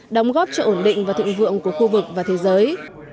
đóng góp cho ổn định và thịnh vượng của khu vực và thế giới